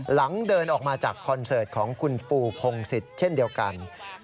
เดินออกมาจากคอนเสิร์ตของคุณปูพงศิษย์เช่นเดียวกัน